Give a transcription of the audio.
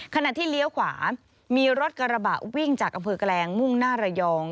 ขณะที่เลี้ยวขวามีรถกระบะวิ่งจากอำเภอแกลงมุ่งหน้าระยอง